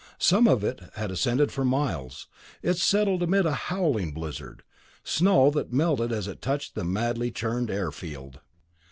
Some of it had ascended for miles; it settled amid a howling blizzard snow that melted as it touched the madly churned airfield.